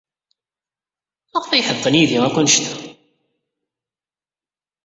Maɣef ay ḥedqen yid-i akk anect-a?